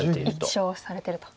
１勝されてると。